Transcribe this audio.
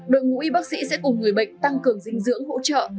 đội ngũ y bác sĩ sẽ cùng người bệnh tăng cường dinh dưỡng hỗ trợ